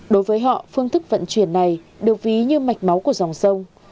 đối với họ phương thức vận chuyển này được ví như mạch máu của dòng sông